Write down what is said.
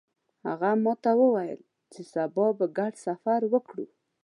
هغه ماته وویل چې سبا به ګډ سفر وکړو